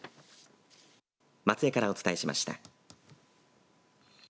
松江からお伝えしました。